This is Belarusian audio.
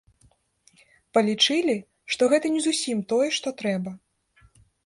Палічылі, што гэта не зусім тое, што трэба.